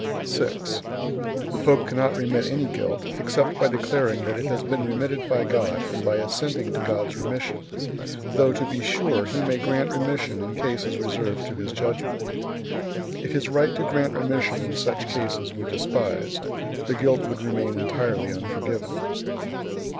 6. The pope cannot remit any guilt, except by declaring that it has been remitted by God and by assenting to God's remission; though, to be sure, he may grant remission in cases reserved to his judgment. If his right to grant remission in such cases were despised, the guilt would remain entirely unforgiven.